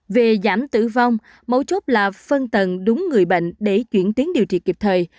về giảm tử vong mẫu chốt là phân tầng đúng người bệnh để chuyển tiến điều trị kịp thời